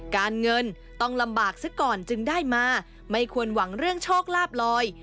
การเงินต้องลำบากซะก่อนจึงได้มาไม่ควรหวังเรื่องโชคลาบลอย